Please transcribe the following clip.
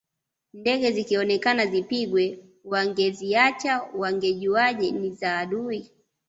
Ndege zikionekana zipigwe wangeziacha wangejuaje ni za adui